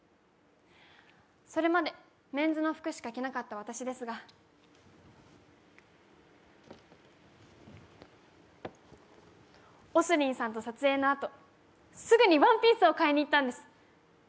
それまでメンズの服しか着なかった私ですが、ＯＳＲＩＮさんと撮影のあとすぐにワンピースを買いにいったんです。